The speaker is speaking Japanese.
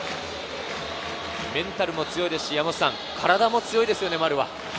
メンタルも強いですし、体も強いですよね。